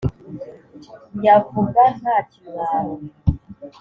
nyavuga nta kimwaro